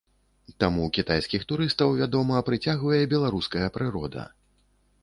Таму кітайскіх турыстаў, вядома, прыцягвае беларуская прырода.